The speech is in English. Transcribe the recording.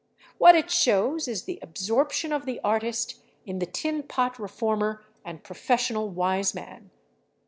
What it shows is the absorption of the artist in the tin pot reformer and professional wise man.